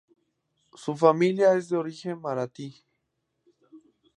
Su familia es de origen maratí.